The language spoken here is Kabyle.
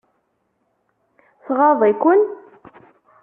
Tɣaḍ-iken?